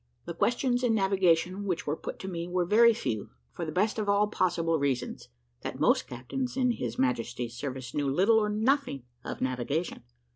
The questions in navigation which were put to me were very few, for the best of all possible reasons, that most captains in His Majesty's service knew little or nothing of navigation.